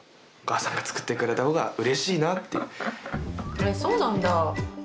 えそうなんだ。